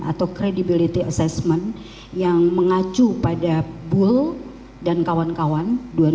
atau credibility assessment yang mengacu pada bull dan kawan kawan dua ribu dua puluh